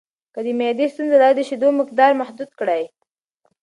که د معدې ستونزه لرئ، د شیدو مقدار محدود کړئ.